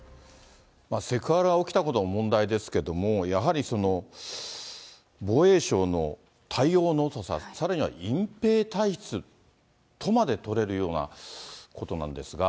セクハラが起きたことも問題ですけども、やはりその防衛省の対応の遅さ、さらには隠蔽体質とまでとれるようなことなんですが。